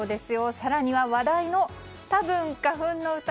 更には話題の「多分花粉」の歌